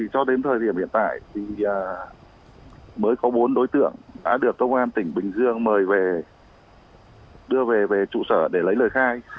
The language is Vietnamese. cho đến thời điểm hiện tại mới có bốn đối tượng đã được công an tỉnh bình dương mời về đưa về trụ sở để lấy lời khai